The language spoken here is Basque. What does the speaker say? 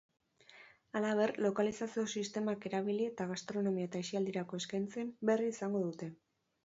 Halaber, lokalizazio sistemak erabili eta gastronomia eta asialdirako eskaintzen berri izango dute.